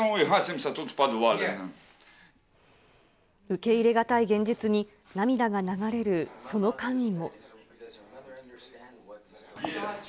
受け入れ難い現実に涙が流れるその間にも。